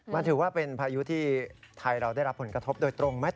มันถือว่าเป็นพายุที่ไทยเราได้รับผลกระทบโดยตรงไหม